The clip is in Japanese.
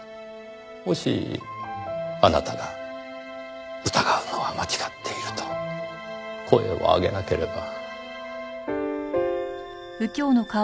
もしあなたが疑うのは間違っていると声を上げなければ。